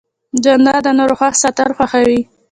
جانداد د نورو خوښ ساتل خوښوي.